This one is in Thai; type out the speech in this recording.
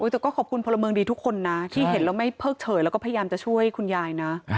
แต่ก็ขอบคุณพลเมืองดีทุกคนนะที่เห็นแล้วไม่เพิกเฉยแล้วก็พยายามจะช่วยคุณยายนะ